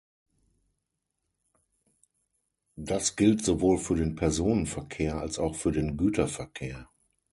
Das gilt sowohl für den Personenverkehr als auch für den Güterverkehr.